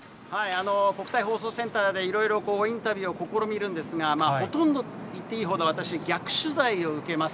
国際放送センターでいろいろインタビューを試みるんですが、ほとんどと言っていいほど、私、逆取材を受けます。